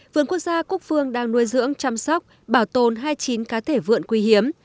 vườn quốc gia cúc phương đang nuôi dưỡng chăm sóc bảo tồn hai mươi chín cá thể vượn quý hiếm